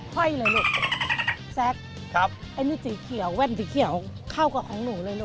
้เพลือขนแบบนี้เขาเรียกว่ามิ้ง